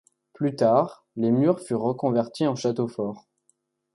Plus tard les murs furent reconvertis en château fort.